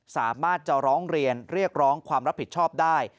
สามารถจะร้องเรียนเรียกร้องความรับผิดชอบได้